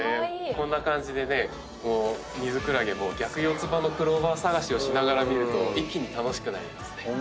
こんな感じでねミズクラゲも逆四つ葉のクローバー探しをしながら見ると一気に楽しくなりますね。